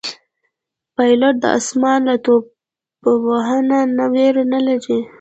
پیلوټ د آسمان له توپانه نه ویره نه لري.